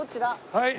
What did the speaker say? はい。